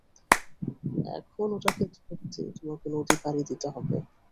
এখন ওটাকে ধরতে তোমাকে নদী পাড়ি দিতে হবে।